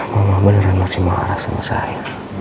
mama dan masih marah sama saya